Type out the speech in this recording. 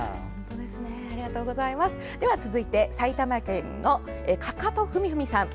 続いて、埼玉県越谷市のかかとふみふみさん。